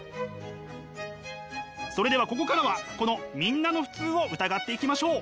それではここからはこのみんなの普通を疑っていきましょう。